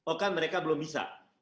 oh kan mereka belum bisa